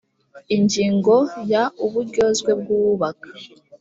ingingo ya uburyozwe bw uwubaka